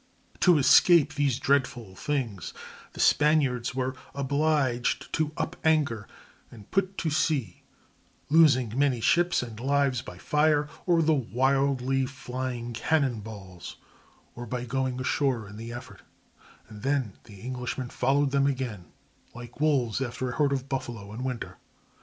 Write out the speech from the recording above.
To escape these dreadful things the Spaniards were obliged to up anchor and put to sea, losing many ships and lives by fire or the wildly flying cannon balls, or by going ashore in the effort; and then the Englishmen followed them again, like wolves after a herd of buffalo in winter.